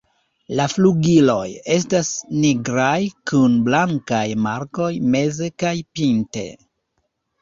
La flugiloj estas nigraj kun blankaj markoj meze kaj pinte.